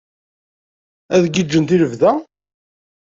Ad giǧǧent i lebda?